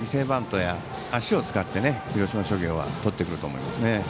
バントや足を使って広島商業はとってくると思います。